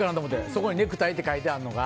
そこにネクタイって書いてあるのが。